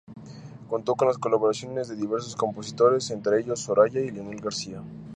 Contó con las colaboraciones de diversos compositores, entre ellos Soraya y Leonel García.